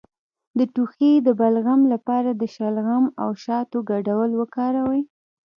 د ټوخي د بلغم لپاره د شلغم او شاتو ګډول وکاروئ